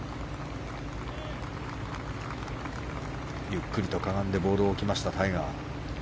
ゆっくりとかがんでボールを置きました、タイガー。